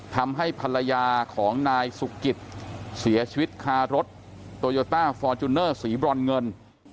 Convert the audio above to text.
ทำให้ภรรยาของนายสุกิตเสียชีวิตคารถโตโยต้าฟอร์จูเนอร์สีบรอนเงิน